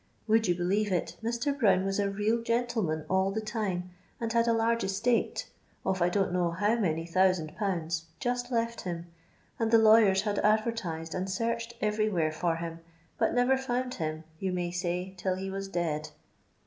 Would you believe it, Mr. Brown was a real gentleman all the time, and had a laig« estate, of I don't know how many thousand pounds, just left him, and the lawyers )uid adver tised and learehed everywhere for him, but never found him, yon may say, till he was dciid.